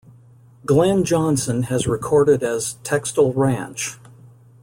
Glen Johnson has recorded as 'Textile Ranch'.